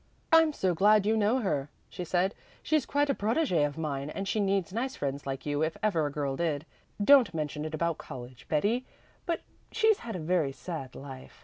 "I'm so glad you know her," she said. "She's quite a protégé of mine and she needs nice friends like you if ever a girl did. Don't mention it about college, Betty, but she's had a very sad life.